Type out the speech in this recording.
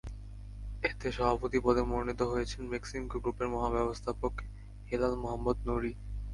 এতে সভাপতি পদে মনোনীত হয়েছেন বেক্সিমকো গ্রুপের মহাব্যবস্থাপক হেলাল মোহাম্মদ নূরী।